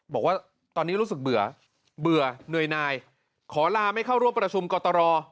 บอกว่าตอนนี้รู้สึกเบื่อเบื่อเหนื่อยนายขอลาไม่เข้าร่วมประชุมกตร